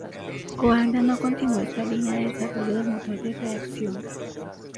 Coandă no continuó esta línea de desarrollo del motor de reacción.